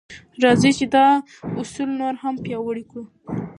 راځئ چې دا اصل نور هم پیاوړی کړو.